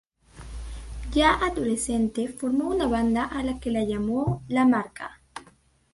Ya adolescente formó una banda a la que llamó La Marca.